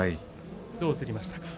どう映りましたか？